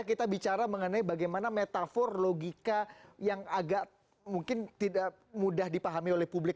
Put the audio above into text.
kita bicara mengenai bagaimana metafor logika yang agak mungkin tidak mudah dipahami oleh publik